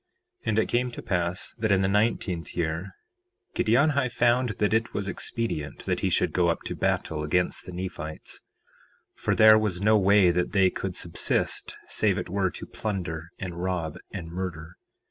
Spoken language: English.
4:5 And it came to pass that in the nineteenth year Giddianhi found that it was expedient that he should go up to battle against the Nephites, for there was no way that they could subsist save it were to plunder and rob and murder.